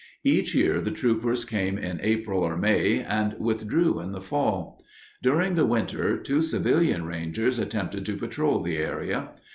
Each year the troopers came in April or May and withdrew in the fall. During the winter two civilian rangers attempted to patrol the area.